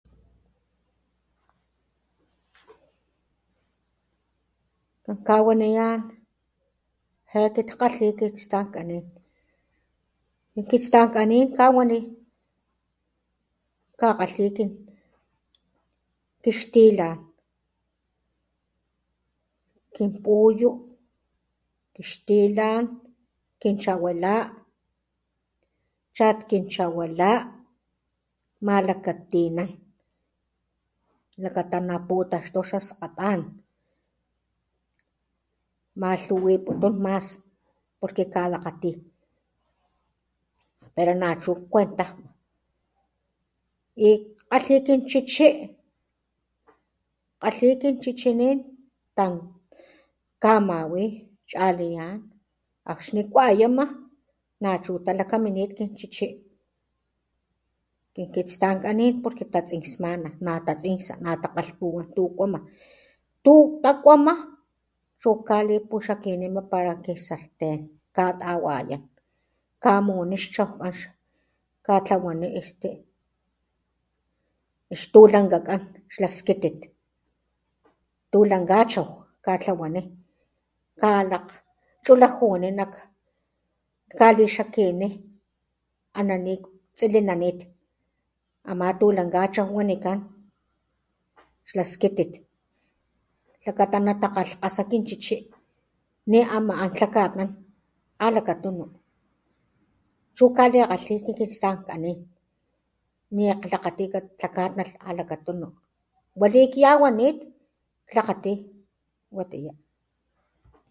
Kan kawaniyán jae kit kgalhí kin kitstankanin kin kitstankanín kawaní kakalhí ki xtilan , kin puyu, kixtilan, kinchawilá, chat kinchawilá, malakatinán lakata na putaxtú xa skkatán kmalhuwiputun mas porque kalakgatí, pero nachú kuentajma kalhí kin chcichí kalhi kin chichinín kamawí chaliyán akxni kuayama nachu latakaminit kin chichí, kin kistankannin porque tatsinksmmana .natatsinksa, natakalhpuwán tu kuama tukuama, tukuama chu kalipuxikinima para ki sarten katawayán kamuni xchaukán katlawaní este xtulangakán xlá skitit tulangachau katlawaní kalakchulajuní nak, kalixikiní aná ni ktsilinanit, amá tulagachau wanikan xla skitit lakata natakgalhkasa kin chichí ne ama an tlakatnan alakatunu, chu kalikalhí kitsistankanín, niklakatí katlakatnalh alakatunu, wali kyawanit kklakatí watiyá.